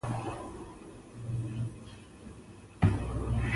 په ښيښه کې خوځنده شکلونه پيدا شول.